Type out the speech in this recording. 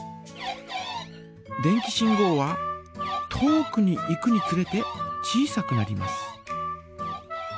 電気信号は遠くに行くにつれて小さくなります。